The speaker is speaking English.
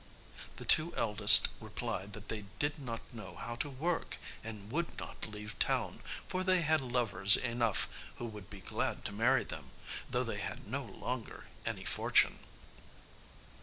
The two eldest replied that they did not know how to work, and would not leave town; for they had lovers enough who would be glad to marry them, though they had no longer any fortune.